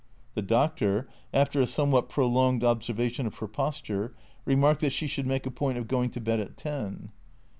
The doctor, after a somewhat prolonged observation of her posture, remarked that she should make a point of going to bed at ten.